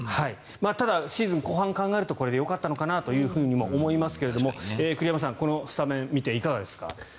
ただ、シーズン後半を考えるとこれでよかったのかなと思いますが栗山さん、このスタメンを見ていかがですか。